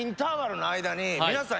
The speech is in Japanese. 皆さん